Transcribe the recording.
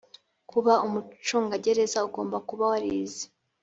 kuba umucungagereza ugomba kuba warize